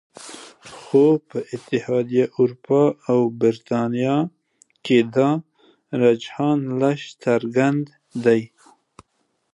خو په اتحادیه اروپا او بریتانیا کې دا رجحان لږ څرګند دی